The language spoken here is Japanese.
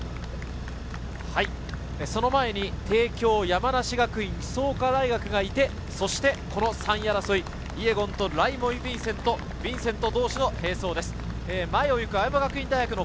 その前に帝京、山梨学院、創価大学がいて、その３位争い、イェゴンとライモイ・ヴィンセント、ヴィンセント同士の並走です。